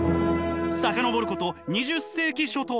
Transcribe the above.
遡ること２０世紀初頭。